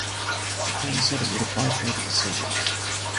Japan said it would abide by the decision.